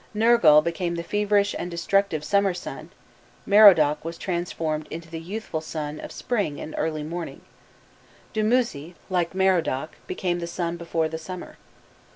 Nergal became the feverish and destructive summer sun.* Merodach was transformed into the youthful sun of spring and early morning; Dumuzi, like Merodach, became the sun before the summer.